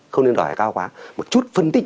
không nên hỏi cao quá một chút phân tích